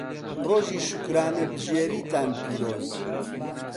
ڕۆژی شوکرانەبژێریتان پیرۆز.